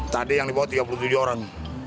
tadi yang dibawa tiga puluh tujuh orang